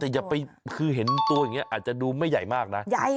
แต่อย่าไปคือเห็นตัวอย่างนี้อาจจะดูไม่ใหญ่มากนะ